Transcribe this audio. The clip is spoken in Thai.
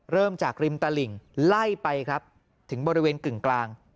เริ่มจากริมตลิ่งไล่ไปครับถึงบริเวณกึ่งกลาง